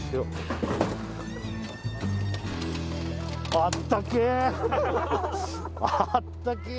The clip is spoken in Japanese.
あったけえ！